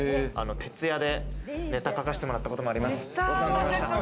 徹夜でネタ書かせてもらったこともあります。